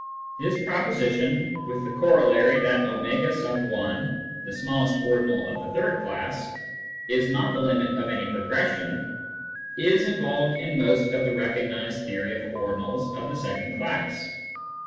This proposition, with the corol lary that a*! (the smallest ordinal of the third class) is not the limit of any progression, is involved in most of the recognised theory of ordinals of the second class.